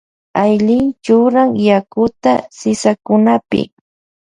Aylin churan yakuta sisakunapi.